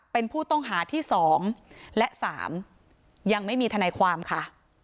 เป็นผู้ต้องหาที่๒และ๓ยังไม่มีทนายความค่ะ